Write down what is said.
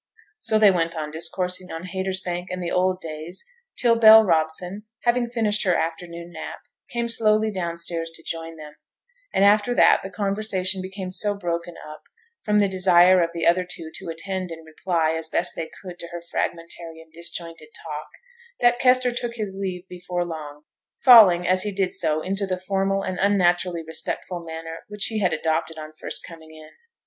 So they went on discoursing on Haytersbank and the old days, till Bell Robson, having finished her afternoon nap, came slowly down stairs to join them; and after that the conversation became so broken up, from the desire of the other two to attend and reply as best they could to her fragmentary and disjointed talk, that Kester took his leave before long; falling, as he did so, into the formal and unnaturally respectful manner which he had adopted on first coming in.